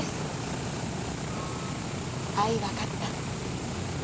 「あいわかった。